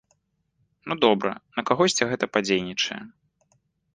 Ну добра, на кагосьці гэта падзейнічае.